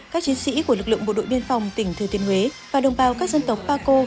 các chiến sĩ của lực lượng bộ đội biên phòng tỉnh thừa thiên huế và đồng bào các dân tộc paco